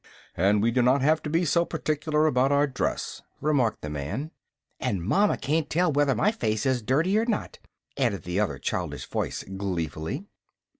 "And we do not have to be so particular about our dress," remarked the man. "And mama can't tell whether my face is dirty or not!" added the other childish voice, gleefully.